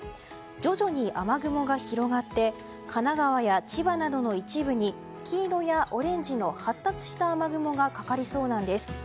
徐々に雨雲が広がって神奈川や千葉などの一部に黄色やオレンジの発達した雨雲がかかりそうなんです。